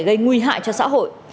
gây nguy hại cho xã hội